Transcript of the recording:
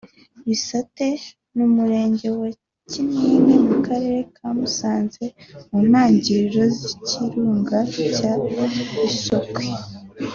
Bisate ni mu murenge wa Kinigi mu karere ka Musanze mu ntangiriro z’ikirunga cya Bisoke